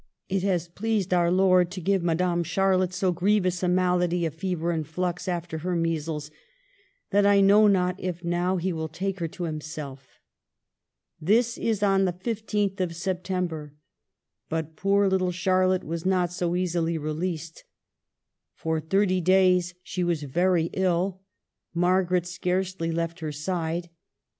'' It has pleased our Lord to give Madame Char lotte so grievous a malady of fever and flux after her measles, that I know not if now He will take her to Himself." This is on the 15th of September. But poor little Charlotte was not so easily released ; for thirty days she was very ill. Margaret scarcely left her side.